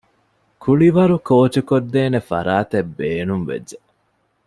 ކުޅިވަރު ކޯޗުކޮށްދޭނެ ފަރާތެއް ބޭނުންވެއްޖެ